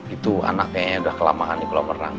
itu anaknya udah kelamaan nih kalau pernah